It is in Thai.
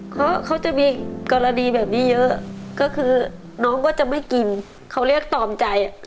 เพราะเขาจะมีกรณีแบบนี้เยอะก็คือน้องก็จะไม่กินเขาเรียกตอมใจ